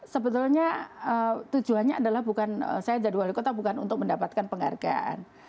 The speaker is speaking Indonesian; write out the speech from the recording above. sebetulnya tujuannya adalah bukan saya jadi wali kota bukan untuk mendapatkan penghargaan